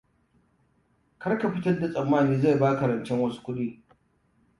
Kar ka fitar da tsammani zai baka rancen wasu kuɗi.